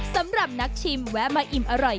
สำหรับนักชิมแวะมาอิ่มอร่อย